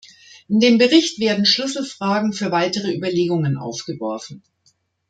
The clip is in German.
In dem Bericht werden Schlüsselfragen für weitere Überlegungen aufgeworfen.